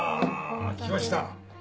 きました。